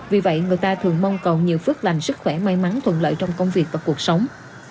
vì vậy người ta thường mong còn nhiều phước lành sức khỏe may mắn thuận lợi trong công việc và cuộc sống